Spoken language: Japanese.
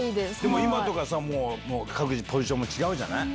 今とか各自ポジションも違うじゃない。